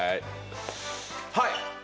はい！